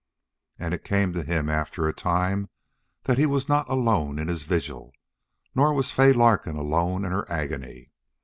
And it came to him after a time that he was not alone in his vigil, nor was Fay Larkin alone in her agony.